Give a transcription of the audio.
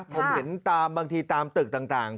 ผมเห็นตามบางทีตามตึกต่าง